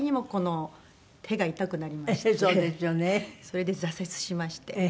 それで挫折しまして。